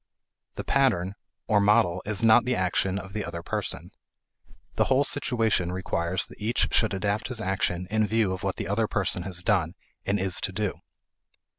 The "pattern" or model is not the action of the other person. The whole situation requires that each should adapt his action in view of what the other person has done and is to do.